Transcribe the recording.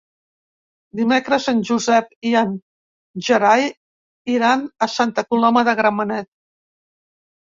Dimecres en Josep i en Gerai iran a Santa Coloma de Gramenet.